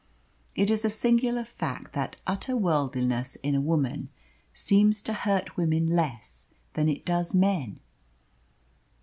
It is a singular fact that utter worldliness in a woman seems to hurt women less than it does men.